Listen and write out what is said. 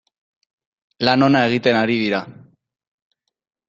Lan ona egiten ari dira.